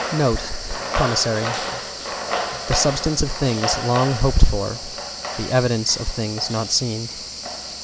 =NOTE= (=PROMISSORY=) "The substance of things long hoped for, the evidence of things not seen."